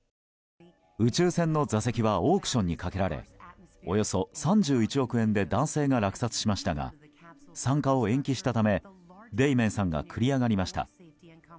宇宙船の座席はオークションにかけられおよそ３１億円で男性が落札しましたが参加を延期したためデイメンさんが繰り上がりました。